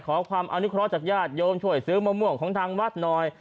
ขอความอนุเคราะห์จากญาติโยมช่วยซื้อมะม่วงของทางวัดหน่อย